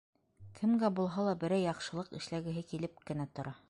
Кемгә булһа ла берәй яҡшылыҡ эшләгеһе килеп кенә тора.